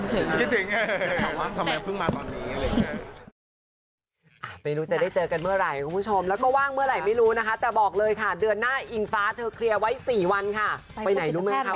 คิดถึงทำไมเพิ่งมาตอนนี้